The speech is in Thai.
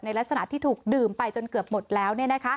ลักษณะที่ถูกดื่มไปจนเกือบหมดแล้ว